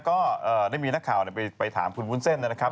ก็ได้มีนักข่าวไปถามคุณวุ้นเส้นนะครับ